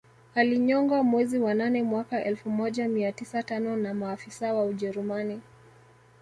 Alinyongwa mwezi wa nane mwaka elfu moja mia tisa tano na maafisa wa Ujerumani